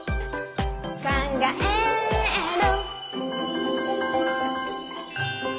「かんがえる」